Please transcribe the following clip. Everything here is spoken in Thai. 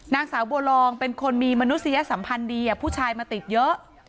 นางสาวบัวลองเป็นคนมีมนุษยสัมพันธ์ดีผู้ชายมาติดเยอะ